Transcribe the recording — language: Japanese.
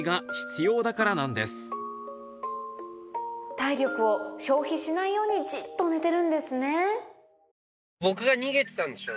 体力を消費しないようにじっと寝てるんですね。